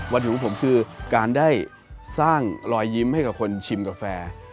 วัตถุของผมคือการได้สร้างรอยยิ้มให้กับคนชิมกาแฟ